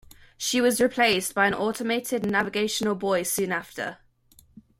She was replaced by an automated navigational buoy soon after.